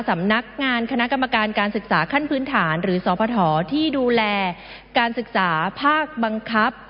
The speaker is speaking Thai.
สำนักงานคณะกรรมการการศึกษาขั้นพื้นฐานหรือสพที่ดูแลการศึกษาภาคบังคับ